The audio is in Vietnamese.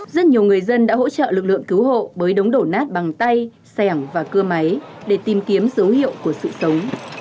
rất nhiều người dân đã hỗ trợ lực lượng cứu hộ với đống đổ nát bằng tay xẻng và cưa máy để tìm kiếm dấu hiệu của sự sống